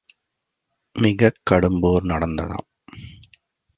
மிகக் கடும்போர் நடத்ததாம்.